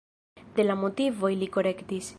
De la motivoj li korektis.